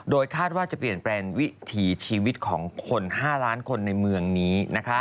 คาดว่าจะเปลี่ยนแปลงวิถีชีวิตของคน๕ล้านคนในเมืองนี้